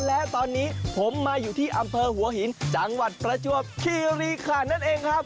และตอนนี้ผมมาอยู่ที่อำเภอหัวหินจังหวัดประจวบคีรีขันนั่นเองครับ